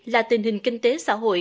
là tình hình kinh tế xã hội